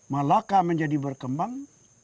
melaka menjadi berkembang